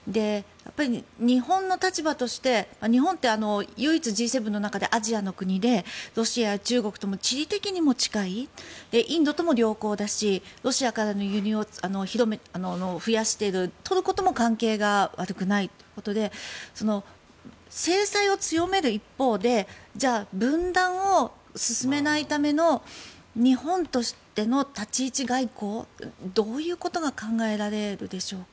日本の立場として日本って唯一Ｇ７の中でアジアの国でロシアや中国とも地理的にも近いしインドとも良好だしロシアからの輸入を増やしてるトルコとも関係が悪くないということで制裁を強める一方で分断を進めないための日本としての立ち位置外交どういうことが考えられるでしょうか。